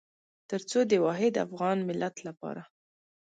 تر څو د واحد افغان ملت لپاره.